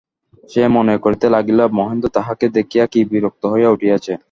সে মনে করিতে লাগিল, মহেন্দ্র তাহাকে দেখিয়া কি বিরক্ত হইয়া উঠিয়াছে!